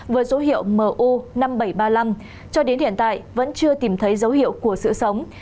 với số hiệu mu năm nghìn bảy trăm ba mươi năm cho đến hiện tại vẫn chưa tìm thấy dấu hiệu của sự sống